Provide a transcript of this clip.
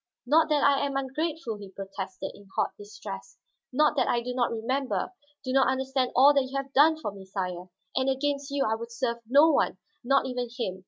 "Not that I am ungrateful," he protested in hot distress. "Not that I do not remember, do not understand all that you have done for me, sire. And against you I would serve no one, not even him.